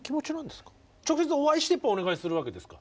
直接お会いしてやっぱお願いするわけですか？